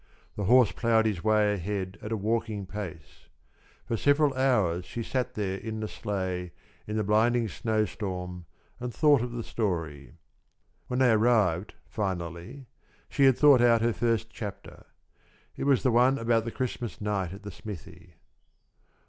The horse ploughed his way ahead at a walking pace. For several hours she sat there in the sleigh in the blinding snowstorm and thought of the story. When they arrived finally, she had thought out her first chapter. It was the one about the Christmas night at the smithy.